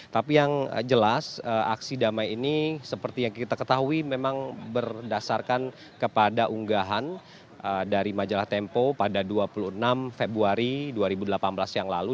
tapi yang jelas aksi damai ini seperti yang kita ketahui memang berdasarkan kepada unggahan dari majalah tempo pada dua puluh enam februari dua ribu delapan belas yang lalu